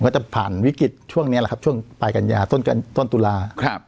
จะผ่านวิกฤตช่วงนี้แหละครับช่วงปลายกันยาต้นตุลา